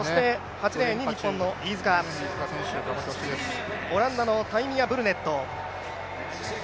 ８レーンに日本の飯塚、オランダのタイミア・ブルネット。